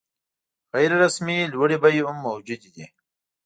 غیر رسمي لوړې بیې هم موجودې دي.